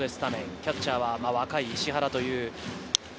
キャッチャーは若い石原。